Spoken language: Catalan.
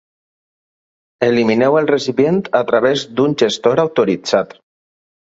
Elimineu el recipient a través d'un gestor autoritzat.